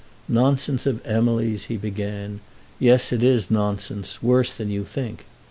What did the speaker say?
"Nonsense of Emily's!" he began. "Yes, it is nonsense, worse than you think.